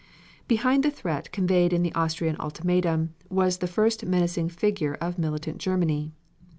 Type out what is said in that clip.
Behind the threat conveyed in the Austrian ultimatum was the menacing figure of militant Germany.